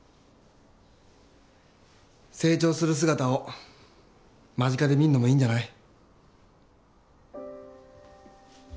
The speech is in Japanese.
成長する姿を間近で見るのもいいんじゃない？